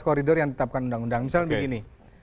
koridor yang ditetapkan undang undang misalnya begini